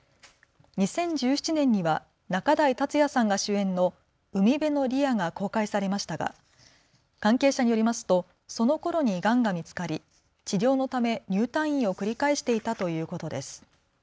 ２０１７年には仲代達矢さんが主演の海辺のリアが公開されましたが関係者によりますとそのころにがんが見つかり治療のため入退院を繰り返していたということです。